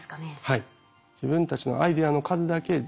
はい。